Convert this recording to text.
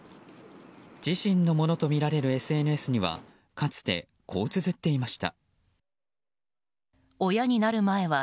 自身のものとみられるＳＮＳにはかつて、こうつづっていました。